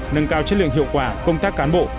nâng cao chất lượng hiệu quả công tác cán bộ